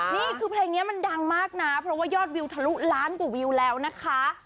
นี่คือเพลงนี้มันดังมากนะเพราะว่ายอดวิวทะลุล้านกว่าวิวแล้วนะคะ